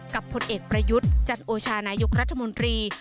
ผลเอกประยุทธ์จันโอชานายกรัฐมนตรี